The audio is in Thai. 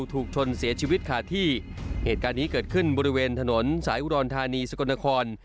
ถูกชนเสียชีวิตขาดที่เหตุการณ์นี้เกิดขึ้นบริเวณถนนสายอุดรธานีสกลนคร